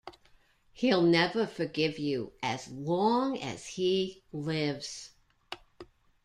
He'll never forgive you as long as he lives.